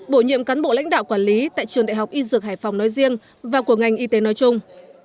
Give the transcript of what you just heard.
bổ nhiệm cán bộ lãnh đạo quản lý tại trường đại học y dược hải phòng nói riêng và của ngành y tế nói chung